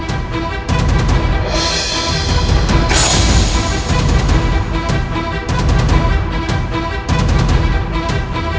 aku akan mengambil alih semua ini